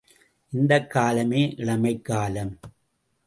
இந்த காலமே இளமைக் காலம்!